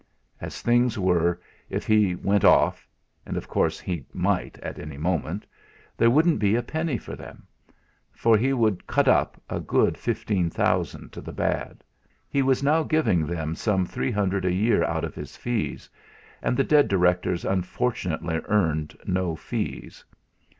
As things were, if he "went off" and, of course, he might at any moment, there wouldn't be a penny for them; for he would "cut up" a good fifteen thousand to the bad. He was now giving them some three hundred a year out of his fees; and dead directors unfortunately earned no fees!